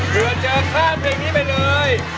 เผื่อจะข้ามเพลงนี้ไปเลย